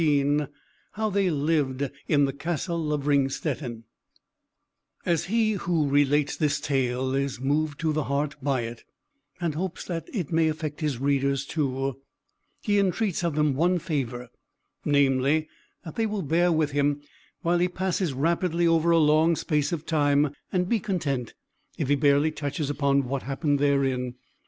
XIII. HOW THEY LIVED IN THE CASTLE OF RINGSTETTEN As he who relates this tale is moved to the heart by it, and hopes that it may affect his readers too, he entreats of them one favour; namely, that they will bear with him while he passes rapidly over a long space of time; and be content if he barely touches upon what happened therein.